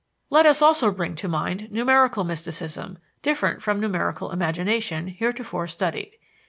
Let us also bring to mind numerical mysticism, different from numerical imagination heretofore studied.